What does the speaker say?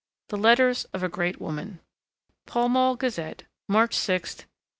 THE LETTERS OF A GREAT WOMAN (Pall Mall Gazette, March 6, 1886.)